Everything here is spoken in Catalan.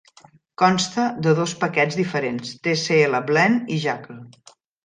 Consta de dos paquets diferents: Tcl Blend i Jacl.